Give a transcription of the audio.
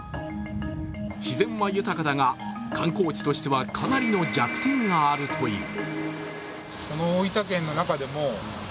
自然は豊かだが、観光地としてかなりの弱点があるという。